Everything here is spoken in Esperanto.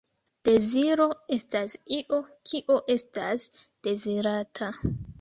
Deziro estas io, kio estas dezirata.